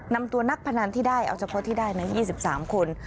นำตัวนักพนันที่ได้เอาเฉพาะที่ได้นะ๒๓คน